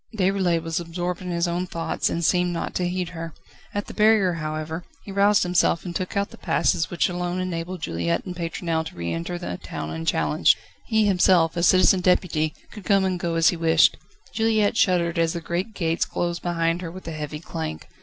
Déroulède was absorbed in his thoughts, and seemed not to heed her. At the barrier, however, he roused himself and took out the passes which alone enabled Juliette and Pétronelle to re enter the town unchallenged. He himself as Citizen Deputy could come and go as he wished. Juliette shuddered as the great gates closed behind her with a heavy clank.